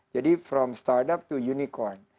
jadi dari startup ke unicorn